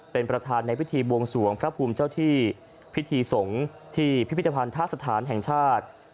เป็นประธานในพิธีบวงสวงพระภูมิเจ้าที่พิธีสงฆ์ที่พิพิธภัณฑสถานแห่งชาติ